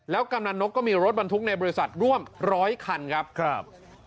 แล้วกำลังนกก็มีรถบรรทุกในบริษัทร่วม๑๐๐คันครับ